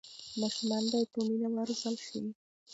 ماشومان باید په مینه وروزل شي.